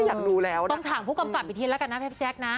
อยากดูแล้วนะฮะต้องถามผู้กำกัดปีทีนละกันนะแพทย์แจ๊คนะ